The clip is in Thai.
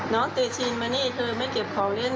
น้องตีชีนมานี่เธอไม่เก็บของเล่น